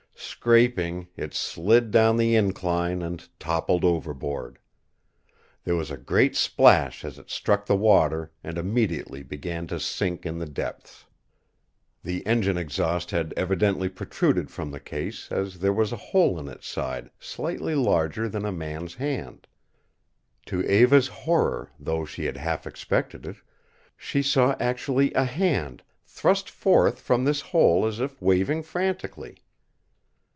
Scraping, it slid down the incline and toppled overboard. There was a great splash as it struck the water and immediately began to sink in the depths. The engine exhaust had evidently protruded from the case, as there was a hole in its side slightly larger than a man's hand. To Eva's horror, though she had half expected it, she saw actually a hand thrust forth from this hole as if waving frantically.